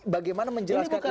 bagaimana menjelaskan ini